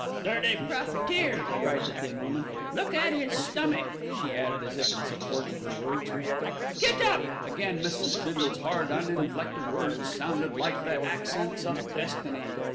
"Dirty profiteer," cried the thin woman. "Look at 'is stummick," she added as if in support of her words. "Get up!" Again Mrs. Bindle's hard, uninflected words sounded like the accents of destiny.